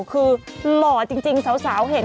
คือหล่อจริงสาวเห็น